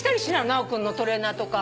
直君のトレーナーとか。